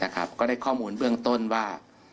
ก็ได้ข้อมูลเบื้องต้นว่า